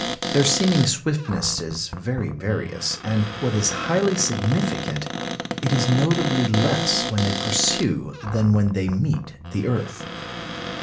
Their seeming swiftness is very various, and what is highly significant it is notably less when they pursue than when they meet the earth.